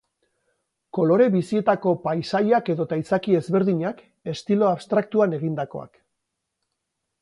Kolore bizietako paisaiak edota izaki ezberdinak, estilo abstraktuan egindakoak.